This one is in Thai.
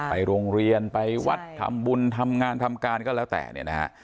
ไปโรงเรียนไปวัดทำบุญทำงานทำการก็แล้วแต่เนี่ยนะฮะ